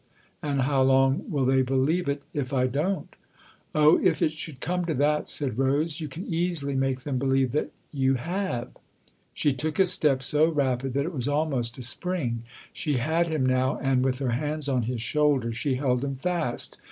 " And how long will they believe it if I don't ?"" Oh, if it should come to that," said Rose, "you can easily make them believe that you have I " She took a step so rapid that it was almost a spring ; she had him now and, with her hands on his shoulders, she held him fast.